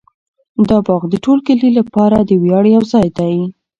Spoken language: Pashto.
دا باغ د ټول کلي لپاره د ویاړ یو ځای دی.